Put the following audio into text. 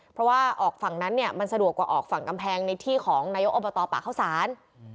เพราะว่าออกฝั่งนั้นเนี่ยมันสะดวกกว่าออกฝั่งกำแพงในที่ของนายกอบตป่าเข้าสาร